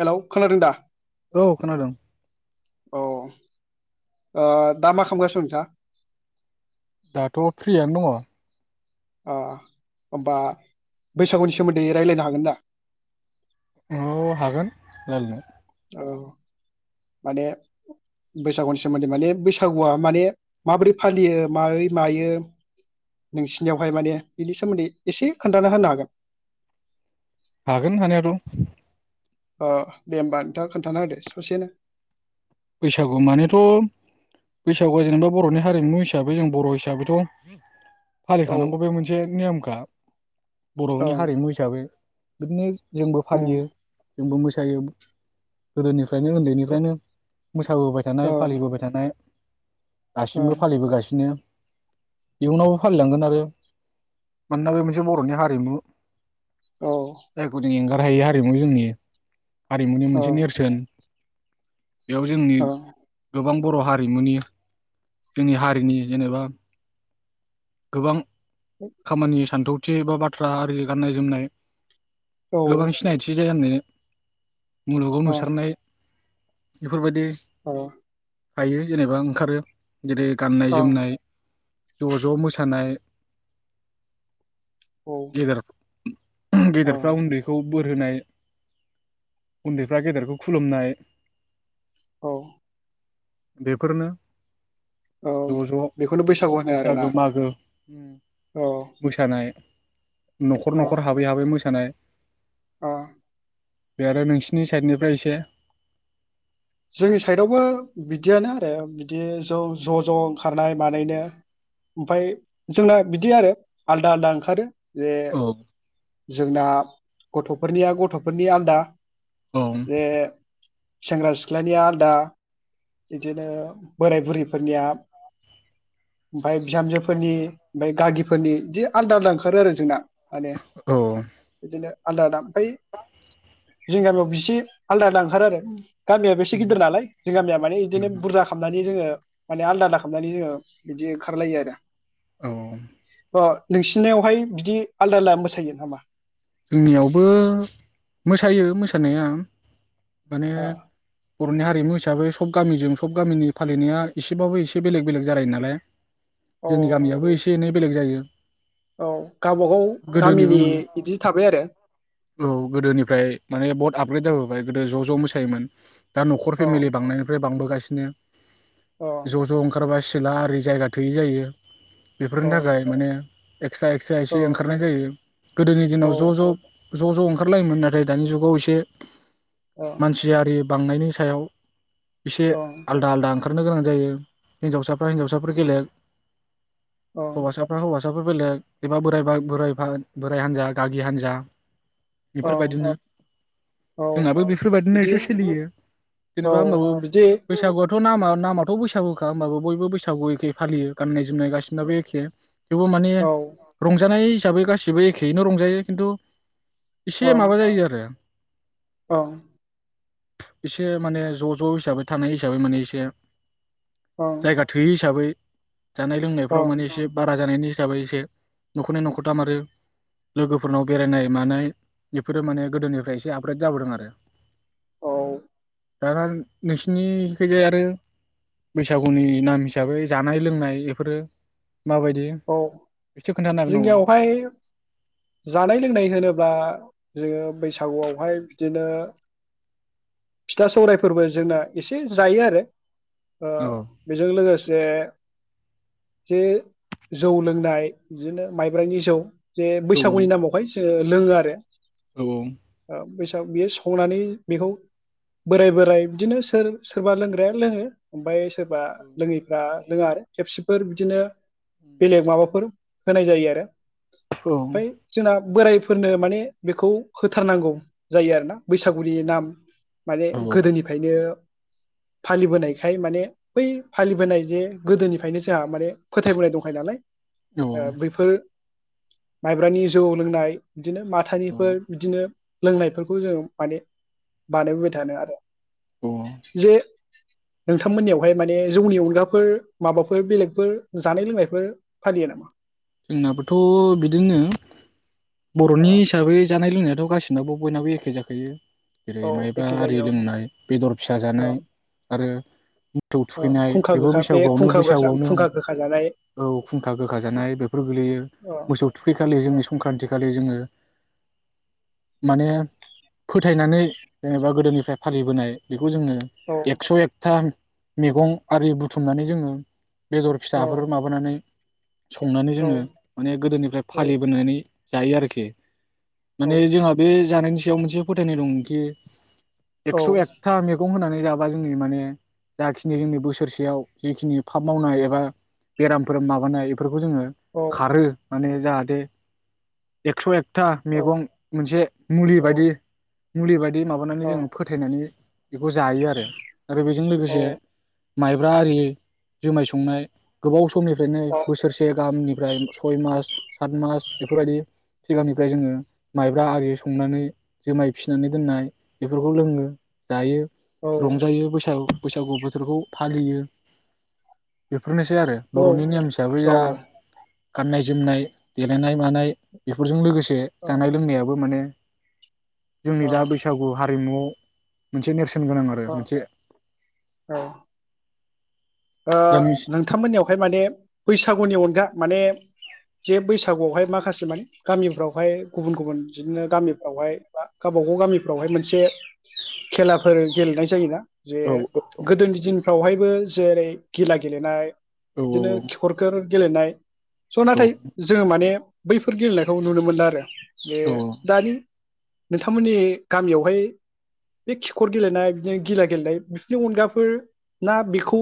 Hello खोनादों दा औ खोनादों। औ ओ दा मा खालामगासिनो नोंथाङा? दाथ' फ्रियनो दङ आ होमबा बैसागुनि सोमोन्दै रायलायनो हागोन दा औ हागोन रायलायनो। औ माने बैसागुनि सोमोन्दै माने बैसागुआ माने माबोरै फालियो माबोरै मायो नोंसिनियावहाय माने बिनि सोमोन्दै एसे खोन्थाना होनो हागोन। हागोन हानायाथ' अ दे होमबा नोंथाङा खोन्थाना होदो ससेनो। बैसागु मानेथ' बैसागुआ जेनबा बर'नि हारिमु हिसाबै जों बर' हिसाबैथ' औ फालिखांनांगौ बे मोनसे नियमखा। बर'नि ओं हारिमु हिसाबै बिदिनो जोंबो उम फालियो। जोंबो मोसायो गोदोनिफ्रायनो ओन्दैनिफ्रायनो मोसाबोबाय ओ थानाय फालिबोबाय थानाय दासिमबो फालिबोगासिनो। इयुनावबो फालिलांगोन आरो मानोना बे मोनसे बर'नि हारिमु औ रहायै हारिमु जोंनि हारिमुनि मोनसे नेरसोन बेयाव जोंनि औ गोबां बर' हारिमुनि जोंनि हारिनि जेनेबा गोबां खामानि सानथौ थि बा बाथ्रा आरि गाननाय जोमनाय औ ओं गोबां सिनायथि जाया होननो मुलुगाव ओ नुसारनाय इफोरबायदि अ थायो जेनेबा ओंखारो जेरै गाननाय ओं जोमनाय ज' ज' मोसानाय औ गेजेराव गेदेरफ्रा ओं उन्दैखौ बोर होनाय उन्दैफ्रा गेदेरखौ खुलुमनाय औ बेफोरनो औ ज' ज' बेखौनो बैसागु होनो आरो बैसागो ना मागो औ [unintelligible] न'खर अ न'खर हाबै हाबै मोसानाय अ बे आरो नोंसिनि साइडनिफ्राय एसे जोंनि साइडआवबो बिदियानो आरो बिदि ज' ज' ज' ओंखारनाय मानायनो ओमफाय जोंना बिदि आरो आलदा आलदा ओंखारो बे औ जोंना गथ'फोरनिया गथ'फोरनि आलदा औ बे सेंग्रा सि ख्लानिया आलदा इदिनो बोराय बुरैफोरनिया ओमफाय बिहामजोफोरनि ओमफाय गागिफोरनि इदि आलदा आलदा ओंखारो आरो जोंना माने औ इदिनो आलदा आलदा ओमफ्राय जोंनि गामियाव बिसि आलदा आलदा ओंखारो आरो गामियाबो एसे गिदिर नालाय जों गामिया माने बिदिनो बुरजा खालामनानै जोङो माने आलदा आलदा खालामामनानै जोङो बिदि ओंखारलायो आरो औ अ नोंसिनिनायावहाय बिदि आलदा आलदा मोसायो नामा जोंनियावबो मोसायो मोसानाया माने अ बर'नि हारिमु हिसाबै सब गामिजों सब गामिनि फालिनाया एसेबाबो एसे बेलेग बेलेग जालायो नालाय औ जोंनि गामियाबो एसे एनै बेलेग जायो। औ गावबागाव गोदोनि गामिनि बिदि थाबाय आरो। औ गोदोनिफ्राय माने बहत आपग्रेद जाबोबाय गोदो ज' ज' मोसायोमोन। दा नखर अ फेमेलि बांनायनिफ्राय बांबो गासिनो अ ज' ज' ओंखारबा सोला आरि जायगा थोयि जायो। अ बेफोरनि थाखाय माने एक्सट्रा एक्सट्रा अ एसे ओंखारनाय जायो गोदोनि औ दिनाव ज' ज' ज' ज' ओंखारलायोमोन नाथाय दानि जुगाव एसे अ मानसि आरि बांनायनि सायाव एसे अ आलदा आलदा ओंखारनो गोनां जायो हिन्जावसाफ्रा हिन्जावसाफोर बेलेग अ हौवासाफ्रा हौवासा फसाफोर बेलेग एबा बोराइ बा बोराइफा बोराइ हान्जा गागि हान्जा अ बेफोरबायदिनो औ जोंहाबो बिदि बेफोरबायदिनोसे सोलियो एसे औ जेनेबा होमबाबो बिदि बैसागु थ' नामा नामाथ' बैसागुखा होमबाबो बयबो बैसागु एखे फालियो गाननाय जोमनाय गासिनाबो एखे। थेवबो माने औ ओं रंजानाय हिसाबै गासिबो एखेयैनो रं जायो खिन्थु इसे माबा जायो आरो औ एसे माने ज' ज' हिसाबै थानाय हिसाबै माने एसे ओं जायगा थोयि हिसाबै जानाय लोंनायफ्राव माने एसे बारा जानायनि हिसाबै एसे न'खरनै न'खरथाम आरो। लोगोफोरनाव बेरायनाय मानाय बेफोरो माने गोदोनिफ्राय एसे आपग्रेड जाबोदों आरो। औ दाना नोंसिनिखिजाय आरो बैसागुनि नाम हिसाबै जानाय लोंनाय बेफोरो माबायदि औ एसे खोन्थानो हागोन जोंनियावहाय। जानाय लोंनाय होनोब्ला जोङो बैसागुआवहाय बिदिनो फिथा सौरायफोरबो जोंना एसे जायो आरो। ओ नामा? औ बेजों लोगोसे जे जौ लोंनाय बिदिनो माइब्रानि जौ जे औ बैसागुनि नामावहाय जोंङो लोंगो आरोे औ बियो संनानै बेखौ बोराय बोराय बिदिनो सोर सोरबा लोंग्राया लोङो ओमफ्राय सोरबा लोङैफ्रा लोङो आरो खेबसेफोर बिदिनो बेलेग माबाफोर होनाय जायो आरो। बै जोंना बोरायफोरनो माने बेखौ होथारनांगौ जायो आरो ना बैसागुनि नाम माने गोदोनिफ्रायनो फालिबोनायखाय माने बै फालिबोनाय जे गोदोनिफ्रायनो जोंहा माने फोथायबोनाय दंखायो नालाय औ ओ बैफोर माइब्रानि जौ लोंनाय बिदिनो औ माथानिफोर बिदिनो लोंनायफोरखौ जों माने बानायबोबाय थानो आरो औ जे नोंथांमोननियावहाय माने जौनि अनगाफोर माबाफोर बेलेगफोर जानाय लोंनायफोर फालियो नामा? जोंनाबोथ बिदिनो बर'नि हिसाबै जानाय लोंनायाथ गासिनाबो बयनाबो एखे जाखायो जेरै औ मायब्रा एखे आरि जायो औ लोंनाय बेदर फिसा जानाय आरो। मोसौ औ थुखैनाय खुंखा बेबो गोखा बे बैसागुआवनो खुंखा गोखा बैसागुआवनो खुंखा गोखा जानाय औ खुंखा गोखा जानाय बे। बेयो अ मोसौ थुखै खालि औ जोंनि संक्रान्थि खालि जों माने फोथायनानै जेनेबा गोदोनिफ्राय फालिबोनाय बे बेखौ जोङो एकस एकथा मैगं आरि बुथुमनानै जोङो बेदर औ फिसाफोर माबानानै संनानै औ जोङो माने गोदोनिफ्राय औ फालिबोनानै जायो आरोखि माने जोंहा बे जानाय याव मोनसे फोथायनाय दं कि एकस' एकथा मेगं होनानै जाबा जोंनि माने जाखिनि जोंनि बोसोरसेयाव जिखिनि फाब मावनाय एबा बेरामफोर माबानाय बेफोरखौ जोङो खारो माने जाहादे एक्स' एक था औ मैगं मोनसे मुलि बायदि मुलिबाय बे माबानानै औ जोङो फोथायनानै बेखौ जायो आरो आरो बेजों लोगोसे माइब्रा आरि जुमाय संनाय गोबाव समनिफ्रायनो बोसोरसे गाहामनि ओमफ्राय सय मास सात मास बेफोरबायदि सिगांनिफ्राय जोङो माइब्रा आरि संनानै जुमाय फिसिनानै दोननाय बेफोरखौ लोङो जायो रंजायो बैसागु बैसागु बोथोरखौ फालियो बे बेफोरनोसै आरो बर'नि नियम हिसाबैया गाननाय जोमनाय देलायनाय मानाय बेफोरजों लोगोसे जे जानाय लोंनायाबो माने जोंनि दा बैसागु हारिमुआव मोनसे गोनां आरो मोनसे औ ओ दानि नोंथांमोननियावहाय माने बैसागुनि अनगा माने जे बैसागुआवहाय माखासे माने गामिफ्रावहाय गुबुन गुबुन बिदिनो गामिफ्रावहाय बा गावबा गाव गामिफ्रावहाय मोनसे खेलाफोर गेलेनाय जायोना जे औ गोदोनि दिनफ्रावहायबो जेरै गिला गेलेनाय औ बिदिनो खिखरखोर गेलेनाय। स' औ नाथाय जों माने बैफोर गेलेनायखौ नुनो मोनला आरो। बे औ दानि नोंथांमोननि गामियावहाय बे खिखर गेलेनाय बिदिनो गिला गेलेनाय बिदिनि अनगाफोर ना बेखौ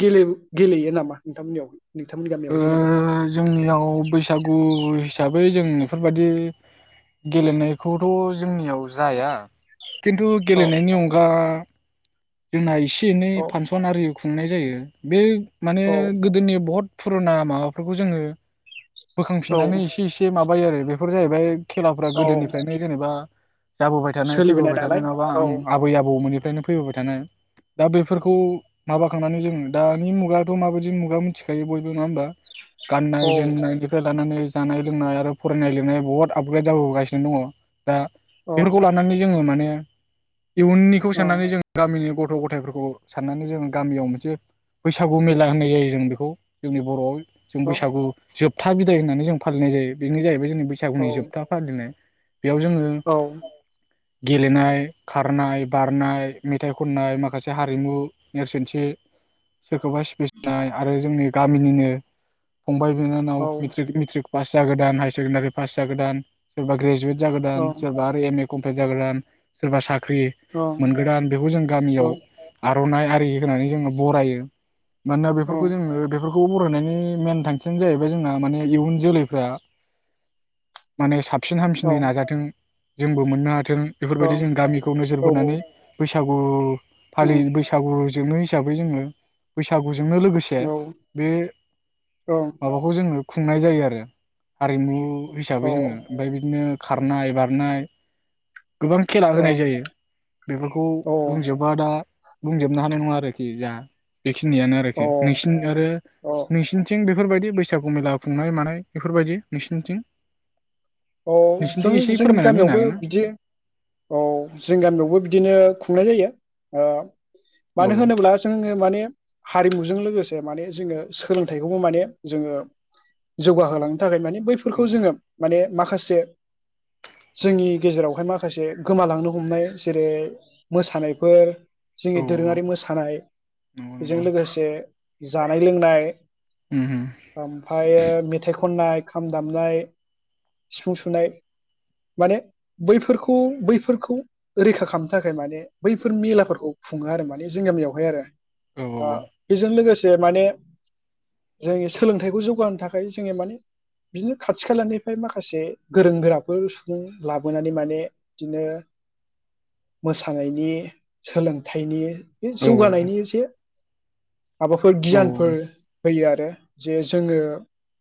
गेले गेलेयो नामा नोंथांमोननियाव नोंथांमोननि गामियाव ओ जेनेबा जोंनियाव बैसागु हिसा बै जों बेफोरबायदि गेलेनायखौथ' जोंनियाव जाया। खिन्थु औ गेलेनायनि अनगा जोंना इस एसे एनै औ फांसन आरि खुंनाय जायो। बे माने औ गोदोनि बहुत फुरुना माबाफोरखौ जोङो औ बोखांफिननानै एसे एसे माबा फायो आरो बेफोर जाहैबाय खेलाफ्रा औ गोदोनिफ्रायनो जेनेबा जाबोबाय थानाय सोलिबोनाय फैबोबाय थानाय नालाय नङाबा औ आं आबै आबौमोननि नो फैबोबाय दा बेफोरखौ माबाखांनानै जोङो दानि मुगाथ' माबायदि मुगा मिथिखायो बयबो नङा होनबा? औ गाननाय जोमनाय निफ्राय लानानै जानाय लोंनाय आरो फरायनाय लिरनाय बहुत आपग्रेद जाबोगासिनो दङ। दा औ बेफोरखौ लानानै जोङो माने उम इयुननिखौ औ साननानै जों गामिनि गथ' गथायफोरखौ साननानै जोङो गामियाव मोनसे बैसागु मेला होननाय जायो जों बेखौ जोंनि बर'आव जों बैसागु जोब था बिदाय होननानै जों फालिनाय जायो बेनो जाहैबाय जोंनि औ बैसागुनि जोबथा फालिनाय बेयाव जोङो औ गेलेनाय खारनाय बारनाय मेथाइ खननाय माखासे हारिमु नेरसोनथि सोरखौबा इस्पिफनाय आरो जोंनि गामिनिनो फंबाय बिनानाव औ मेट्रिक मेट्रिक पास जागोद हायार सेकेण्डारि पास जागोद सोरबा ग्रेजुवेट जागोदान औ सोरबा आरो एम ए खमफ्लिथ जागोदान सोरबा साो साख्रि मोनगोदान बेखौ जों गामियाव आ आर'नाइ आरि होनानै जोङो बरायो मानोना बेफोरखौ जोङो बेफोर खौ बरायनायनि मेन थांखियानो जाहैबाय जोंना माने इयुन जोलैफ्रा माने साब फिन हामसिनै नाजाथों जोंबो मोननो हाथों थों बेफोरबायदि जों गामिखौ नोजोर बोनानै बैसागु फालि बैसागु जोबनो हिसाबै जोंङो बैसागु जोंनो लोगोसे बे माबाखौ जोङो खुंनाय जायो आरो हारिमु हिसाबै जोङो ओमफाय बिदिनो खारनाय बारनाय गोबां खेला औ होनाय जायो बेफोरखौ खौ औ बुंजोबा दा बुंजोबनो हानाय नङा आरोखि जा बेखिनियानो अ आरोखि नोंसिनि आरो नोंसिनिथिं बेफोरबायदि बैसागु मेला खुंनाय मानाय बेफोरबायदि नोंसिनिथिं औ नोंसिनिथिं जों एसे जोंनि फोरमायनानै होनो गामियावबो बिदि औ जोंनि गामियावबो बिदिनो खुं खुंनाय जायो ओ मानो होनोब्ला जोङो माने हारिमुजों लोगोसे जे माने जोङो सोलोंथाइखौबो माने जोङो जौगाहोलांनो थाखाय माने बैफोरखौ हागोन जोङो माने माखासे जोंनि गेजेरावहाय माखासे गोमालांनो हमनाय जेरै मोसानायफोर जोंनि दोरोङारि मोसानायजों ना लोगोसे जानाय लोंनाय ओमफायो मेथाइखौ खन्नाय खाम दामनाय सिफुं सुनाय माने बैफोरखौ बैफोरखौ रैखा खालामनो थाखाय माने बैफोर मेलाफोरखौ खुङो आरो माने जोंगामियावहाय आरो औ औ बेजों लोगोसे से माने जोंनि सोलोंथाइखौ जौगाहोनो थाखाय जोङो माने बिदिनो खाथि खालानि फ्राय माखासे गोरों गोराफोर सुबुं लाबोनानै माने बिदिनो मोसानायनि सोलोंथाइनि बे औ नंगौ उम औ जौगानायनि एसे [inaudible] माबाफोर गियानफोर होयो आरो जे जोङो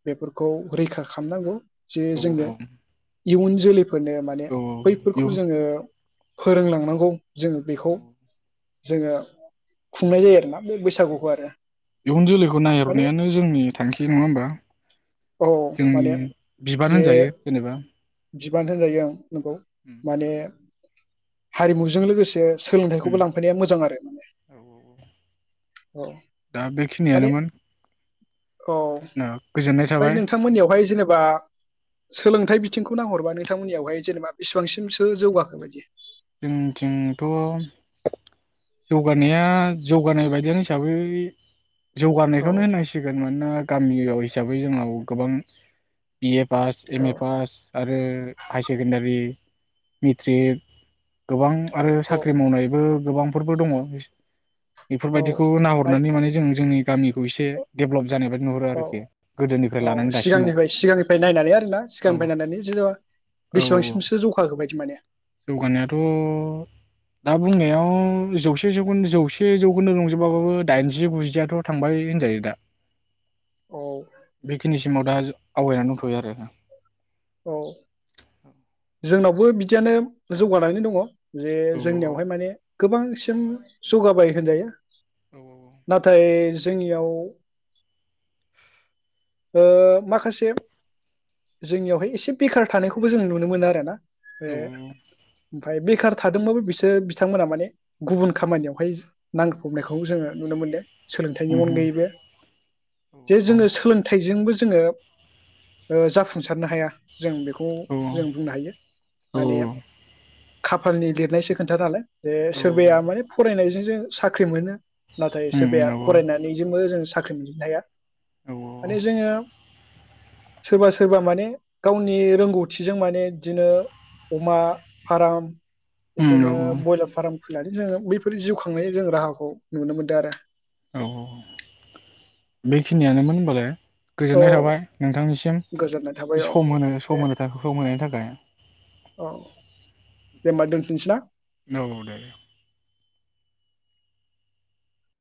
बेफोरखौ रैखा खालामनांगौ। जे जोंनो इयुन जोलैफोर फोरनो माने औ बैफोरखौ जोङो फोरोंलांनांगौ जोङो बेखौ जोङो खुंनाय जायो आरोना। बे औ बैसागुखौ आरो इयुन जोलैखौ माने ननायहरनायानो जोंनि थांखि नङा होनबा औ जोंनि माने बिबान जे होनजायो जेनेबा बिबान होनजायो ओं। नंगौ उम माने हारिमुजों लोगोसे उम सोलोंथाइखौबो लांफैनाया मोजां आरो माने। औ औ औ दा माने बेखिनियानोमोन। औ गोजोननाय ओमफाय थाबाय नोंथांमोननियावहाय जेनेबा सोलोंथाइ बिथिंखौ नाहरबा नोंथांमोननियावहाय जेनेबा बेसेबांसिमसो जौगाखो बायदि? जोंथिंथ' जौगानाया जौगानाय बायदियानो हिसाबै औ जौगानायखौनो होननांसिगोन मानोना। गामियाव हिसाबै जोंनाव गोबां बि एफ पास एम औ ए पास आरो हाय सेकेणडारि मेथ्रिक गोबां आरो औ साख्रि मावनायबो गोबांफोरबो दङ। औ बेफोरबायदिखौ ओमफ्राय नाहरनानै माने जों जोंनि गामिखौ एसे डेभेलप अ औ दासिमाव सिगांनिफ्राय सिगांनिफ्राय नायनानै आरोना औ सिगांनिफ्राय नायनानै ज औ औ औ बेसेबांसिमसो जौखाखोबायदि माने जौगानायाथ' दा बुंनायाव जौसे जौखोन्द जौसे जौखोन्दो रंजोबाबाबो दाइनजि गुजियाथ' थांबाय होनजायो दा औ बेखिनिसिमाव दा आवगायनानै दंथ'यो आरो औ जोंनावबो बिदियानो जौगानानै दङ जे औ जोंनियावहाय माने गोबांसिन जौगाबाय होनजायो नाथाय जोंनियाव ओ माखासे जोंनियावहाय एसे बेखार थानायखौबो जों नुनो मोनो आरो ना ए ओमफ्राय बे बेखार थादोंबाबो बिसोर बिथांमोना माने गुबुन खामानियावहाय नांफबनायखौ जोङो नुनो मोनदों। सोलोंथाइनि अनगायैबो जे जोङो सोलोंथाइजोंबो जोङो ओ जाफुंसारनो हाया जों बेखौ जों बुंनो हायो माने खाफालनि लिरनायसो खोन्था नालाय जे सोरबाया माने फरायनायजों जों साख्रि मोनो नाथाय सोरबाया फरायनानै जोंबो जों साख्रि मोनद्राया माने जोङो सोरबा सोरबा माने गावनि रोंगौथिजों माने बिदिनो अमा फाराम औ औ बिदिनो बयलार फार्म खुलिनानै जोङो बैफोर जिउ खांनाय जों राहाखौ नुनो मोन्दों आरो औ बेखिनियानोमोन होनबालाय औ गोजोननाय थाबाय नोंथांनिसिम गोजोननाय थाबाय औ सम होनो दे सम होनो थाखाय सम होनायनि थाखाय औ दे होमबा दोनथनोसै ना ओ दे